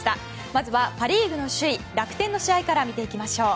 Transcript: まずはパ・リーグの首位楽天の試合から見ていきましょう。